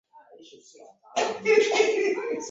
Idhaa ya Kiswahili yaadhimisha miaka sitini ya Matangazo